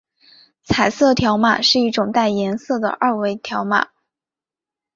彩色条码是一种带颜色的二维条码。